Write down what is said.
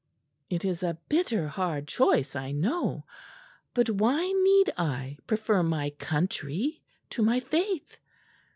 It is a bitter hard choice, I know; but why need I prefer my country to my faith?